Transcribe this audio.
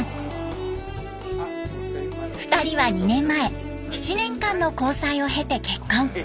２人は２年前７年間の交際を経て結婚。